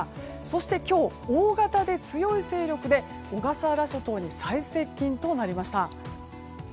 そして今日、大型で強い勢力で小笠原諸島に最接近となりました。